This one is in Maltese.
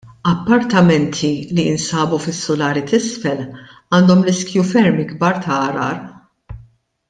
Appartamenti li jinsabu fis-sulari t'isfel għandhom riskju ferm ikbar ta' għargħar.